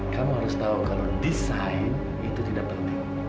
kamu harus tahu kalau desain itu tidak penting